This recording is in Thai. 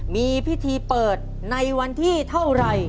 มีพิธีเปิดในวันที่เท่าไหร่